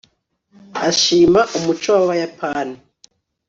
ashima umuco w'abayapani